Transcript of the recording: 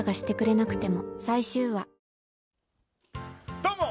どうも！